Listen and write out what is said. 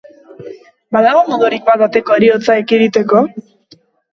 Badago modurik bat-bateko heriotza ekiditeko?